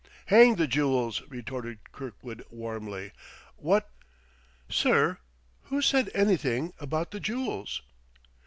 "Hang the jewels!" retorted Kirkwood warmly. "What " "Sir, who said anything about the jewels?"